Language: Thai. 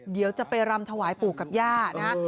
เดี๋ยวจะไปรำถวายปู่กับย่านะ